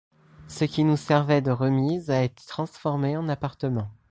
Ce qui nous servait de remise a été transformé en appartement.